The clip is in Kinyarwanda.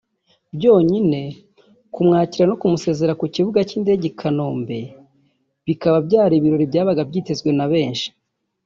byonyine kumwakira no kumusezera ku kibuga cy’indege i Kanombe bikaba byari ibirori byabaga byitezwe na benshi